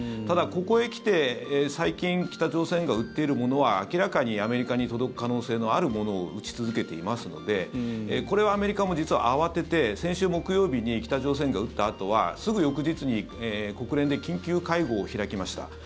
ただ、ここへ来て最近、北朝鮮が撃っているものは明らかにアメリカに届く可能性のあるものを撃ち続けていますのでこれはアメリカも実は慌てて先週木曜日に北朝鮮が撃ったあとはすぐ翌日に国連で緊急会合を開きました。